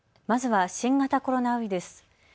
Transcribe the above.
まずは新型コロナウイルス。